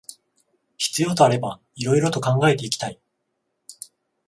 必要とあれば色々と考えていきたい